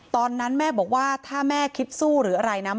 ตอนนั้นแม่บอกว่าถ้าแม่คิดสู้หรืออะไรนะ